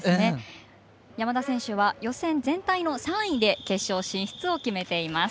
山田選手は予選全体の３位で決勝進出を決めています。